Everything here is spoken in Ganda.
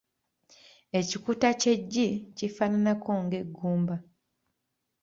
Ekikuta ky’eggi kifaananako ng’eggumba.